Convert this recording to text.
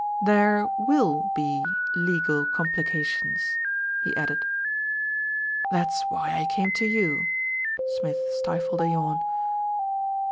"There will be legal complications," he added. "That is why I came to you," Smith stifled a yawn.